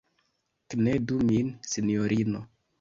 Knedu min, sinjorino!